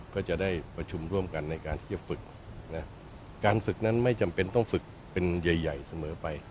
ก็จะได้ประชุมร่วมกันในการที่จะฝึกนะการฝึกนั้นไม่จำเป็นต้องฝึกเป็นใหญ่เสมอไป